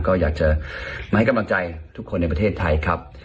ก็อยากจะมาให้กำลังใจทุกคนในประเทศไทยครับ